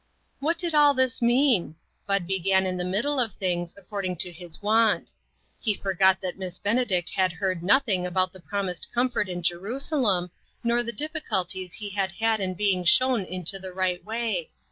What did all this mean ? Bud began in the middle of things, according to his wont. He forgot that Miss Benedict had heard nothing about the promised comfort in Je rusalem, nor the difficulties he had had in being shown into the right way.